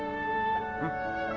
うん。